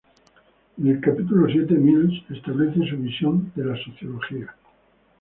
En el capítulo siete, Mills establece su visión de la Sociología.